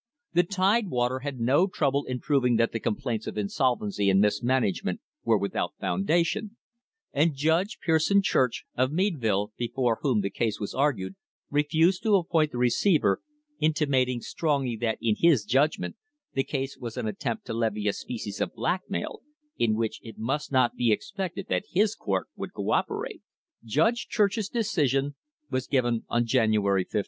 The Tidewater had no trouble in prov ing that the complaints of insolvency and mismanagement were without foundation, and Judge Pierson Church, of Meadville, before whom the case was argued, refused to ap point the receiver, intimating strongly that, in his judgment, the case was an attempt to levy a species of blackmail, in which it must not be expected that his court would co operate. Judge Church's decision was given on January 15.